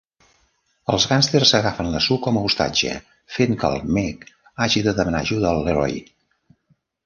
Els gàngsters agafen la Sue com a ostatge, fent que el Mick hagi de demanar ajuda al Leroy.